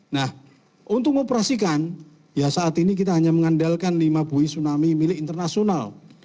nah untuk mengoperasikan ya saat ini kita hanya mengandalkan lima bui tsunami milik internasional